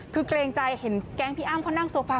คือเกรงใจเห็นแก๊งพี่อ้ำเขานั่งโซฟา